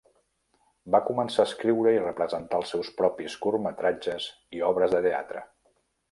Va començar a escriure i representar els seus propis curtmetratges i obres de teatre.